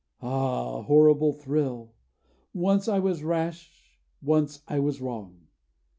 Ah, horrible thrill! Once I was rash, once I was wrong.